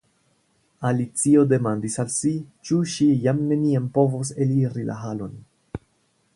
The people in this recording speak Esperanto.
Alicio demandis al si, ĉu ŝi jam neniam povos eliri la halon.